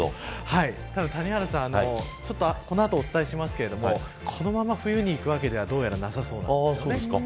ただ、谷原さんこの後お伝えしますがそのまま冬にいくわけではどうやら、なさそうなんです。